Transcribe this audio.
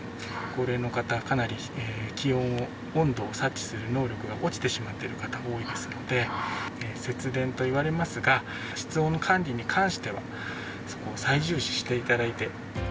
高齢の方、かなり気温、温度を察知する能力が落ちてしまってる方、多いですので、節電といわれますが、室温管理に関しては、そこを最重視していただいて。